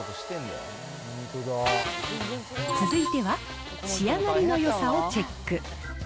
続いては、仕上がりのよさをチェック。